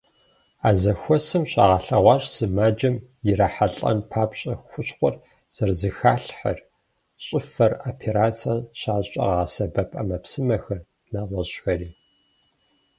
А зэхуэсым щагъэлъэгъуащ сымаджэм ирахьэлӀэн папщӀэ хущхъуэр зэрызэхалъхьэр, щӀыфэр операцэ щащӏкӏэ къагъэсэбэп ӏэмэпсымэхэр, нэгъуэщӀхэри.